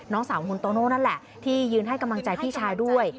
สาวคุณโตโน่นั่นแหละที่ยืนให้กำลังใจพี่ชายด้วย